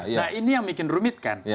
nah ini yang bikin rumit kan